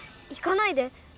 行かないで！